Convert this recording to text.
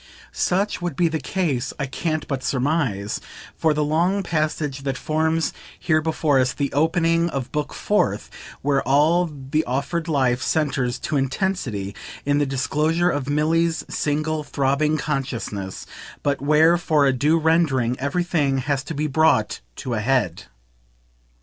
Such would be the case, I can't but surmise, for the long passage that forms here before us the opening of Book Fourth, where all the offered life centres, to intensity, in the disclosure of Milly's single throbbing consciousness, but where, for a due rendering, everything has to be brought to a head.